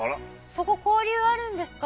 そこ交流あるんですか。